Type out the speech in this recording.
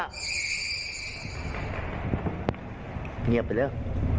เงียบไปแล้ว